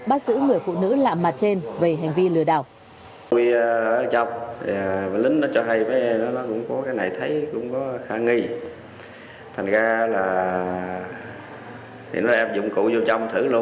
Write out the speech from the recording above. bắt giữ người phụ nữ lạ mặt trên về hành vi lừa đảo